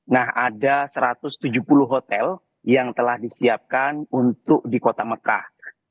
nah ada satu ratus tujuh puluh hotel yang telah disiapkan untuk di kota mekah